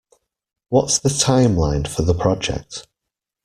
What's the timeline for the project?